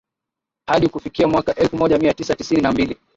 hadi kufikia mwaka elfu moja mia tisa tisini na mbili